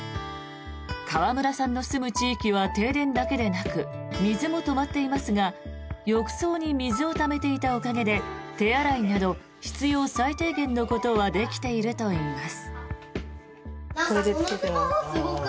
川村さんの住む地域は停電だけでなく水も止まっていますが浴槽に水をためていたおかげで手洗いなど必要最低限のことはできているといいます。